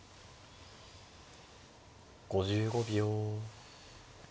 ５５秒。